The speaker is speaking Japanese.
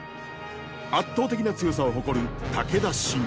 圧倒的な強さを誇る武田信玄。